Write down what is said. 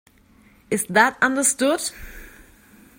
Is that understood?